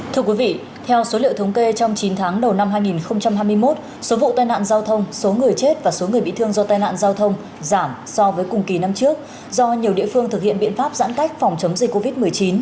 thưa quý vị theo số liệu thống kê trong chín tháng đầu năm hai nghìn hai mươi một số vụ tai nạn giao thông số người chết và số người bị thương do tai nạn giao thông giảm so với cùng kỳ năm trước do nhiều địa phương thực hiện biện pháp giãn cách phòng chống dịch covid một mươi chín